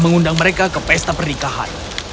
mengundang mereka ke pesta pernikahan